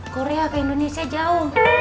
korea ke indonesia jauh